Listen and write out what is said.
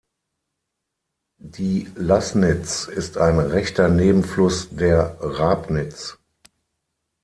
Die Laßnitz ist ein rechter Nebenfluss der Rabnitz.